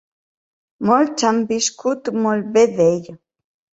Molts han viscut molt bé d’ell.